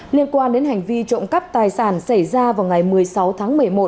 liên quan đến hành vi trộm cắp tài sản xảy ra vào ngày một mươi sáu tháng một mươi một